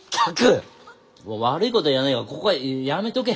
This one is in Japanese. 悪いこた言わねえがここはやめとけ。